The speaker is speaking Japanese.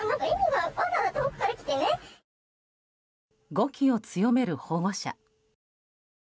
語気を強める保護者。